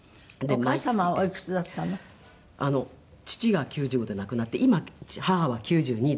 父が９５で亡くなって今母は９２で元気でいて。